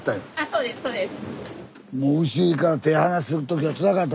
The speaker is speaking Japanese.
そうですそうです。